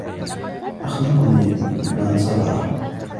أَخْلَاقُ مَنْ سَبَرَهُ